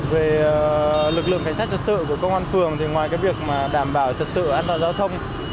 về lực lượng cảnh sát trật tự của công an phường thì ngoài cái việc đảm bảo trật tự an toàn giao thông